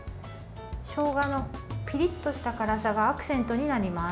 しょうがのピリッとした辛さがアクセントになります。